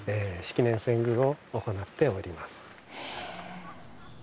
式年遷宮を行っております。